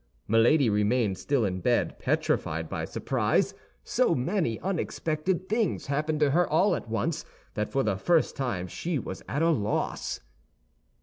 Milady remained still in bed, petrified by surprise; so many unexpected things happened to her all at once that for the first time she was at a loss.